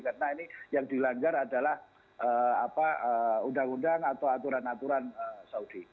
karena ini yang dilanggar adalah undang undang atau aturan aturan saudi